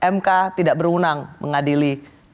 mk tidak berwenang mengadili